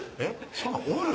そんなんおる？